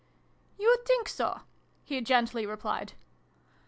" You think so ?" he gently replied.